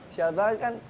sial banget kan